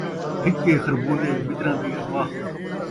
پھکے خربوزے مِتراں دی ارواح